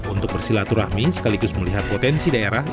untuk bersilaturahmi sekaligus melihat potensi daerah